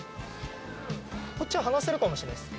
こっちは離せるかもしれないです。